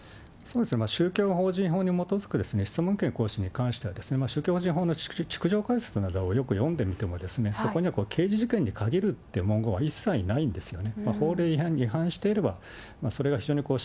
宗教法人法に基づく質問権の行使に関しては、宗教法人法の解説などをよく読んでみても、そこには刑事事件に限るという文言は一切ないんですよね。